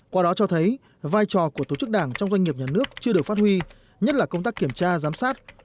qua đó cho thấy vai trò của tổ chức đảng trong doanh nghiệp nhà nước chưa được phát huy nhất là công tác kiểm tra giám sát